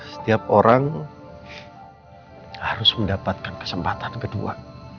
setiap orang harus mendapatkan kesempatan kedua